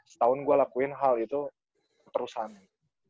setahun gue lakuin hal itu perusahaannya